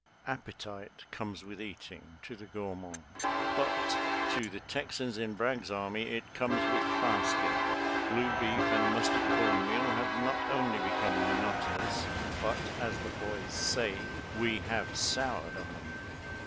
Appetite comes with eating, to the gourmand, but to the Texans in Bragg's army it comes with fasting. Blue beef and musty corn meal have not only become monotonous, but, as the boys say, "We have soured on 'em."